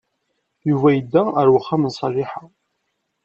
Yuba yedda ar uxxam d Ṣaliḥa.